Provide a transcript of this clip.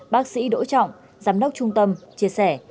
bác sĩ đỗ trọng giám đốc trung tâm chia sẻ